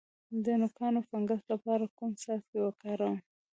د نوکانو د فنګس لپاره کوم څاڅکي وکاروم؟